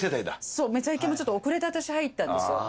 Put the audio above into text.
そう『めちゃイケ』も遅れて入ったんですよ。